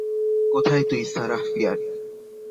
কোথায় তুই, Sarah fear?